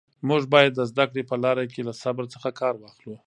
موږ باید د زده کړې په لاره کې له صبر څخه کار واخلو.